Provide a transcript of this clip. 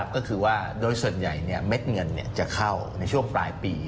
ก็คือว่าโดยส่วนใหญ่เม็ดเงินจะเข้าในช่วงปลายปี